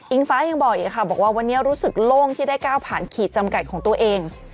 ฟ้ายังบอกอีกค่ะบอกว่าวันนี้รู้สึกโล่งที่ได้ก้าวผ่านขีดจำกัดของตัวเอง